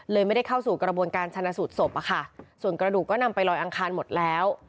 ไม่ได้เข้าสู่กระบวนการชนะสูตรศพอะค่ะส่วนกระดูกก็นำไปลอยอังคารหมดแล้ว